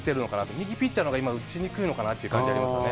右ピッチャーのほうが今打ちにくいのかなっていう感じがありましたね。